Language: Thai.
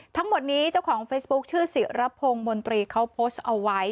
ทั้งหมดนี้เจ้าของเฟซบุ๊คชื่อศิรพงศ์มนตรีเขาโพสต์เอาไว้